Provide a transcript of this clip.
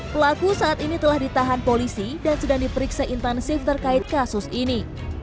pelaku saat ini telah ditahan polisi dan sedang diperiksa intensif terkait kasus ini